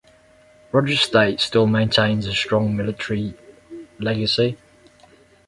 Rogers State still maintains a strong military legacy.